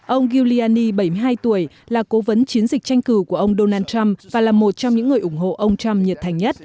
ông giulyani bảy mươi hai tuổi là cố vấn chiến dịch tranh cử của ông donald trump và là một trong những người ủng hộ ông trump nhiệt thành nhất